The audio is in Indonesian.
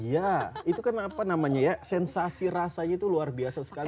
ya itu kan apa namanya ya sensasi rasanya itu luar biasa sekali